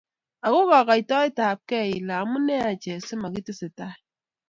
Ako kikaitebekei Ile amune ache asimakitesetai?